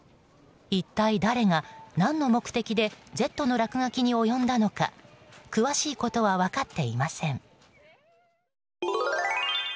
一体誰が、何の目的で「Ｚ」の落書きに及んだのか、詳しいことは分かっていません。